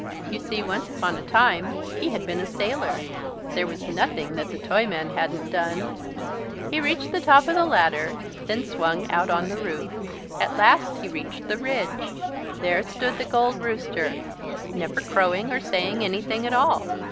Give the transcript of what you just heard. You see, once upon a time, he had been a sailor. There was nothing that the Toyman hadn't done. He reached the top of the ladder, then swung out on the roof. At last he reached the ridge. There stood the Gold Rooster, never crowing or saying anything at all.